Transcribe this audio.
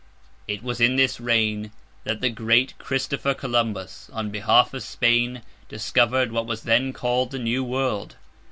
It was in this reign that the great Christopher Columbus, on behalf of Spain, discovered what was then called The New World.